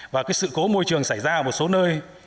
và sự cố môi trường xảy ra ở một số nơi